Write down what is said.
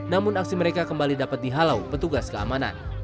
namun aksi mereka kembali dapat dihalau petugas keamanan